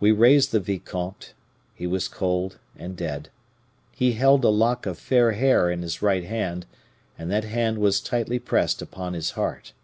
We raised the vicomte; he was cold and dead. He held a lock of fair hair in his right hand, and that hand was tightly pressed upon his heart."